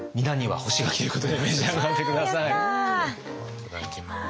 いただきます。